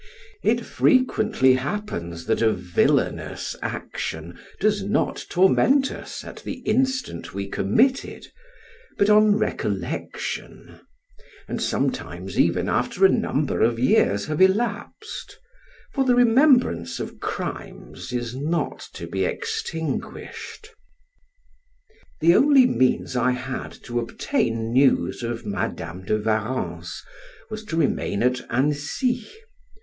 It frequently happens that a villainous action does not torment us at the instant we commit it, but on recollection, and sometimes even after a number of years have elapsed, for the remembrance of crimes is not to be extinguished. The only means I had to obtain news of Madam de Warrens was to remain at Annecy.